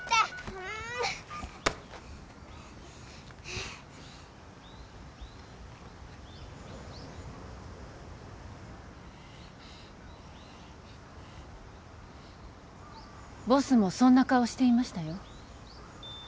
うーんボスもそんな顔をしていましたよ